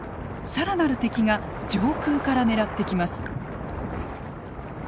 更なる敵が上空から狙ってきます。